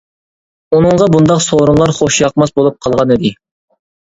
ئۇنىڭغا بۇنداق سورۇنلار خوش ياقماس بولۇپ قالغانىدى.